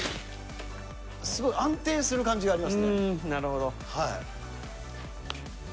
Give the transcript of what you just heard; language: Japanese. すごい、安定する感じがありますなるほど。